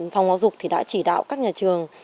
phòng hóa dục đã chỉ đạo các nhà trường